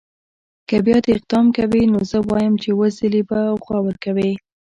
که بیا دا اقدام کوي نو زه وایم چې اووه ځله به غور کوي.